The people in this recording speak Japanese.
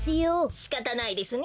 しかたないですね。